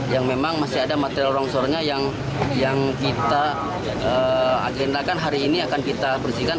yang memang masih ada material longsornya yang kita agendakan hari ini akan kita bersihkan